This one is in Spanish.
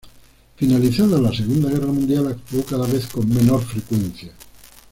Finalizada la Segunda Guerra Mundial, actuó cada vez con menor frecuencia.